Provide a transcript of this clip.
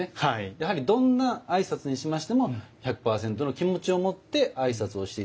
やはりどんな挨拶にしましても１００％の気持ちを持って挨拶をして頂く。